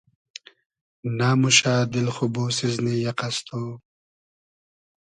نئموشۂ دیل خو بۉسیزنی یئقئس تو؟